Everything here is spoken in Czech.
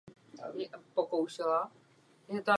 Později housenky žijí na dolní straně listu.